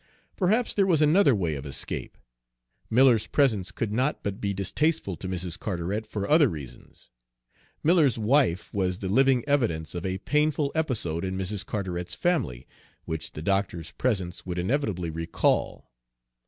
Perhaps there was another way of escape. Miller's presence could not but be distasteful to Mrs. Carteret for other reasons. Miller's wife was the living evidence of a painful episode in Mrs. Carteret's family, which the doctor's presence would inevitably recall.